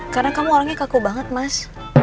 karena kamu orangnya kaku banget mas